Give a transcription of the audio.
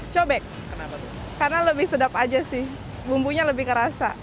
cobek karena lebih sedap aja sih bumbunya lebih kerasa